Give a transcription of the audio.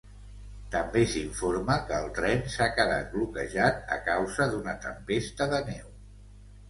També s'informa que el tren s'ha quedat bloquejat a causa d'una tempesta de neu.